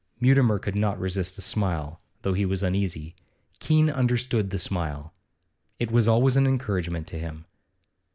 Mutimer could not resist a smile, though he was uneasy. Keene understood the smile; it was always an encouragement to him.